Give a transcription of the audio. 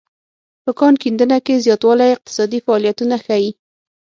په کان کیندنه کې زیاتوالی اقتصادي فعالیتونه ښيي